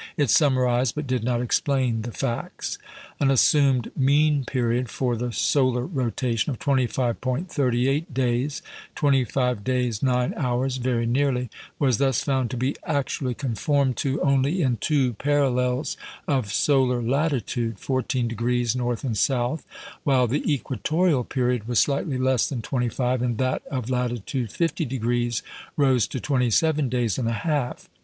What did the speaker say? It summarised, but did not explain the facts. An assumed "mean period" for the solar rotation of 25·38 days (twenty five days nine hours, very nearly), was thus found to be actually conformed to only in two parallels of solar latitude (14° north and south), while the equatorial period was slightly less than twenty five, and that of latitude 50° rose to twenty seven days and a half.